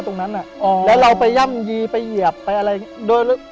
ตรงนั้นอ่ะอ๋อแล้วเราไปย่ำยีไปเหยียบไปอะไรโดย